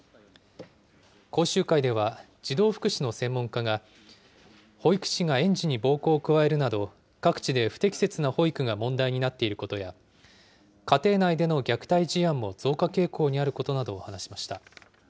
講習会では、児童福祉の専門家が保育士が園児に暴行を加えるなど、各地で不適切な保育が問題になっていることや、家庭内での虐待事案も増加傾向にあることなどを話しました。